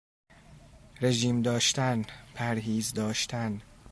رژیم داشتن، پرهیز داشتن